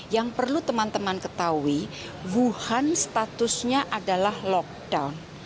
yang perlu teman teman ketahui wuhan statusnya adalah lockdown